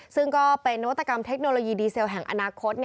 ซึ่งก็เป็นนวัตกรรมเทคโนโลยีดีเซลแห่งอนาคต